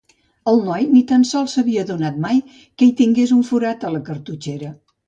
El noi ni tan sols s'havia adonat mai que hi tingués un forat a la cartutxera.